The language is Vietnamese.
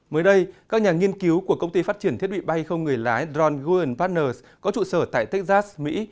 mới đây các nhà nghiên cứu của công ty phát triển thiết bị bay không người lái drone guardian partners có trụ sở tại texas mỹ